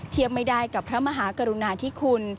เทียบไม่ได้กับพระมหากรุณาธิคุณ